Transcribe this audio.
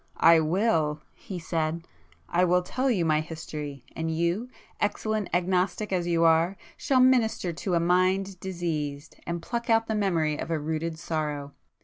"I will!" he said—"I will tell you my history! And you, excellent agnostic as you are, shall 'minister to a mind diseased,' and 'pluck out the memory of a rooted sorrow!